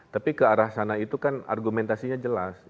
tapi ke arah sana itu kan argumentasinya jelas